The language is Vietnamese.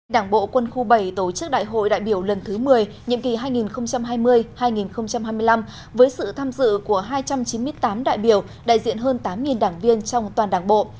đảng bộ quân khu bảy tổ chức đại hội đại biểu lần thứ một mươi nhiệm kỳ hai nghìn hai mươi hai nghìn hai mươi năm với sự tham dự của hai trăm chín mươi tám đại biểu đại diện hơn tám đảng viên trong toàn đảng bộ